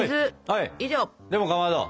でもかまど。